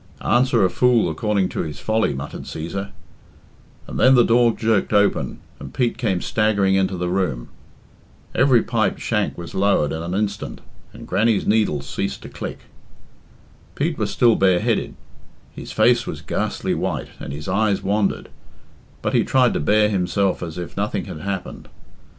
"Answer a fool according to his folly," muttered Cæsar; and then the door jerked open, and Pete came staggering into the room. Every pipe shank was lowered in an instant, and Grannie's needles ceased to click. Pete was still bareheaded, his face was ghastly white, and his eyes wandered, but he tried to bear himself as if nothing had happened.